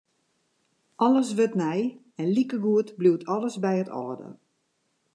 Alles wurdt nij en likegoed bliuwt alles by it âlde.